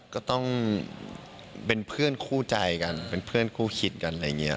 ก็ต้องเป็นเพื่อนคู่ใจกันเป็นเพื่อนคู่คิดกันอะไรอย่างนี้